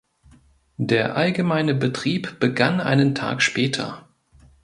Der allgemeine Betrieb begann einen Tag später.